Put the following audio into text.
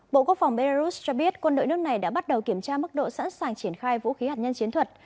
bộ quốc phòng belarus cho biết quân đội nước này đã bắt đầu kiểm tra mức độ sẵn sàng triển khai vũ khí hạt nhân chiến thuật